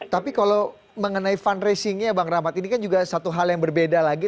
tapi kalau mengenai fundraisingnya bang rahmat ini kan juga satu hal yang berbeda lagi